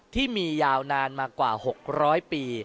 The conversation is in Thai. ที่มียาวนานมากว่า๖๐๐ปี